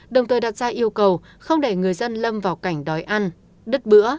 đồng thời đặt ra yêu cầu không để người dân lâm vào cảnh đói ăn đứt bữa